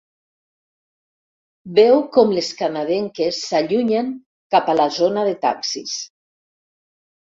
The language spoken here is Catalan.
Veu com les canadenques s'allunyen cap a la zona de taxis.